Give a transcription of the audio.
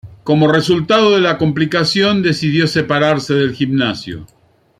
Como resultado de la complicación, decidió separarse del gimnasio.